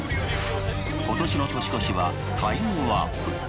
今年の年越しはタイムワープ。